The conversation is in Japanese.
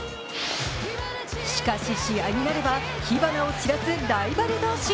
しかし、試合になれば火花を散らすライバル同士。